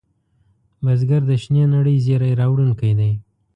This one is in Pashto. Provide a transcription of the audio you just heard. بزګر د شنې نړۍ زېری راوړونکی دی